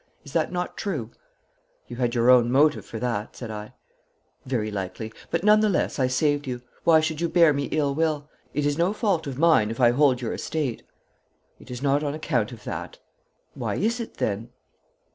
Is that not true?' 'You had your own motive for that,' said I. 'Very likely. But none the less I saved you. Why should you bear me ill will? It is no fault of mine if I hold your estate.' 'It is not on account of that.' 'Why is it then?'